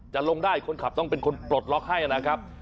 ลงได้คนขับต้องเป็นคนปลดล็อกให้นะครับ